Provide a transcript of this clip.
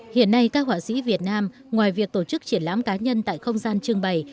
hiện nay các họa sĩ việt nam ngoài việc tổ chức triển lãm cá nhân tại không gian trưng bày